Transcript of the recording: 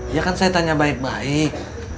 ya kan saya tanya baik baik